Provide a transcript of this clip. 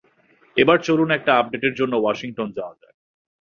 এবার চলুন একটা আপডেটের জন্য ওয়াশিংটন যাওয়া যাক।